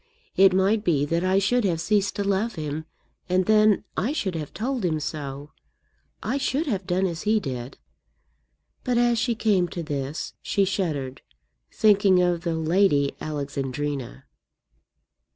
It might be that I should have ceased to love him, and then I should have told him so. I should have done as he did." But, as she came to this, she shuddered, thinking of the Lady Alexandrina.